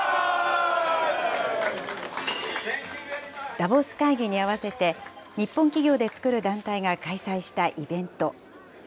ダボス会議に合わせて、日本企業で作る団体が開催したイベント。